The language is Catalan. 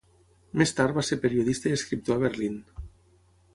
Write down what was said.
Més tard va ser periodista i escriptor a Berlín.